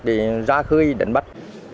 để ra khơi đấn bắt